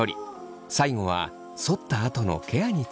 最後はそったあとのケアについて。